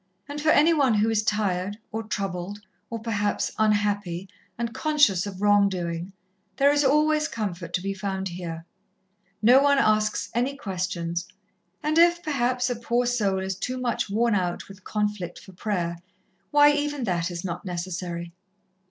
And for any one who is tired, or troubled, or perhaps unhappy, and conscious of wrong doing, there is always comfort to be found here. No one asks any questions, and if, perhaps, a poor soul is too much worn out with conflict for prayer, why, even that is not necessary."